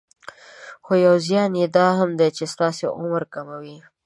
خو يو زيان يي دا هم ده چې ستاسې عمر کموي.